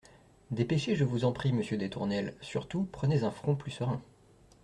Dépêchez, je vous en prie, monsieur des Tournelles ; surtout prenez un front plus serein.